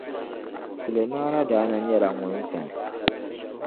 Sulemana daa na nyɛla ŋun zani.